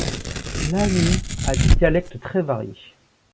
L'anii a des dialectes très variés.